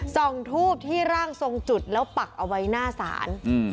ทูบที่ร่างทรงจุดแล้วปักเอาไว้หน้าศาล